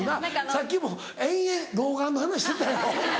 さっきも延々老眼の話してたやろ？